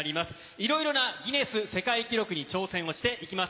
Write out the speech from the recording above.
いろいろなギネス世界記録に挑戦していきます。